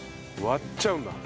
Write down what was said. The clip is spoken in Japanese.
割っちゃうんだ。